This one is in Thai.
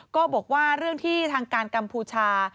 ก็บอกว่าเรื่องที่ทางการกัมพูชา